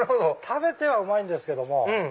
食べてはうまいんですけども。